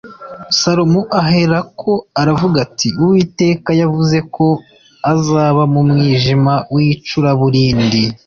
Salomo aherako aravuga ati “Uwiteka yavuze ko azaba mu mwijima w’icuraburindi”